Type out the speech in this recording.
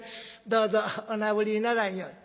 どうぞおなぶりならんように。